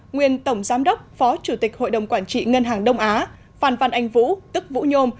nguyên tổng giám đốc phó chủ tịch hội đồng quản trị ngân hàng đông á phan văn anh vũ tức vũ nhôm